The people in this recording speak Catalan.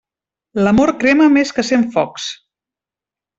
L'amor crema més que cent focs.